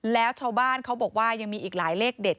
แล้วชาวบ้านเขาบอกว่ายังมีอีกหลายเลขเด็ด